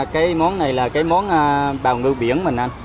cái món này là cái món bào ngư biển mình ăn